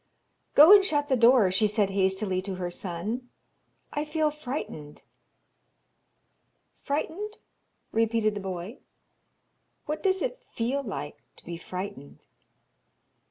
'Go and shut the door,' she said hastily to her son, 'I feel frightened.' 'Frightened?' repeated the boy. 'What does it feel like to be frightened?'